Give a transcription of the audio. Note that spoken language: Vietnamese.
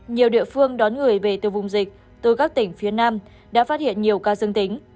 nhiều địa phương đón người về từ vùng dịch từ các tỉnh phía nam đã phát hiện nhiều ca dương tính